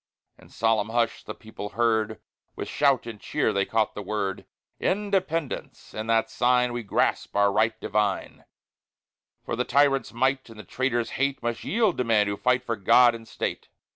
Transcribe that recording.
In solemn hush the people heard; With shout and cheer they caught the word: Independence! In that sign We grasp our right divine; For the tyrant's might and the traitor's hate Must yield to men who fight for God and State!